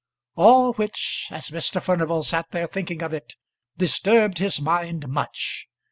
All which, as Mr. Furnival sat there thinking of it, disturbed his mind much.